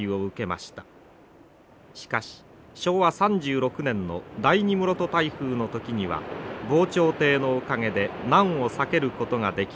しかし昭和３６年の第２室戸台風の時には防潮堤のおかげで難を避けることができました。